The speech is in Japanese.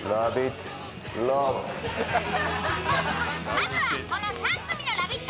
まずはこの３組のラヴィット！